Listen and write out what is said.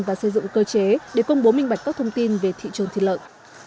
và xây dựng cơ chế để công bố minh bạch các thông tin về thị trường thịt lợn